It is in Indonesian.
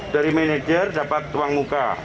dari manajer dapat uang muka